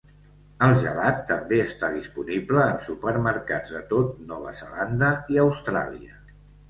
El gelat també està disponible en supermercats de tot Nova Zelanda i Austràlia.